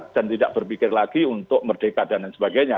dan tidak berpikir lagi untuk merdeka dan sebagainya